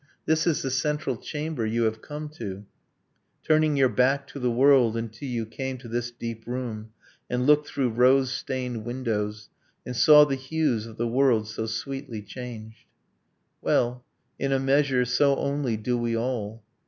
This is the central chamber you have come to: Turning your back to the world, until you came To this deep room, and looked through rose stained windows, And saw the hues of the world so sweetly changed. Well, in a measure, so only do we all.